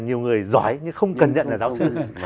nhiều người giỏi nhưng không cần nhận là giáo sư